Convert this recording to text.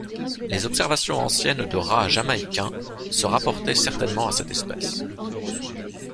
Les observations anciennes de rats jamaïcains se rapportaient certainement à cette espèce.